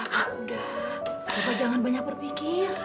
bapak jangan banyak berpikir